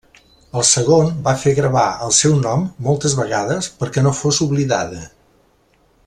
El segon va fer gravar el seu nom moltes vegades perquè no fos oblidada.